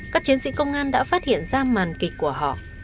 các chiến sĩ công an đã phát hiện ra màn kịch của họ